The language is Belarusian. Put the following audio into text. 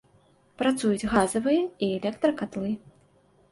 Працуюць газавыя і электракатлы.